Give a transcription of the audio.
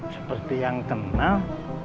seperti yang tenang